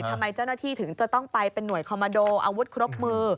ทำไมเจ้าหน้าที่ถึงจะต้องไปเป็นหน่วยคอมมาโดอาวุธครบมือ